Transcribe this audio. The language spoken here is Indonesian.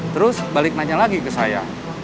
terus balik nanya lagi ke saya